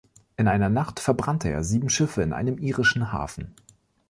In einer Nacht verbrannte er sieben Schiffe in einem irischen Hafen.